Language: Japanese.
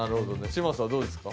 嶋佐はどうですか？